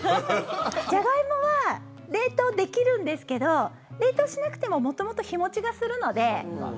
ジャガイモは冷凍できるんですけど冷凍しなくても元々、日持ちがするので。